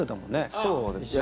そうですね。